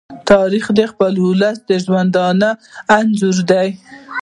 تاریخ د خپل ولس د ژوندانه انځور دی.